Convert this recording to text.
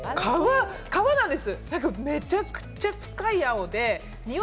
川なんです！